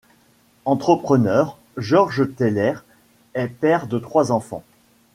Entrepreneur, Georges Theiler est père de trois enfants.